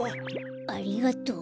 ありがとう。